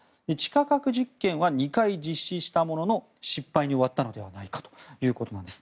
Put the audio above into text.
地下核実験は２回実施したものの失敗に終わったのではないかということなんです。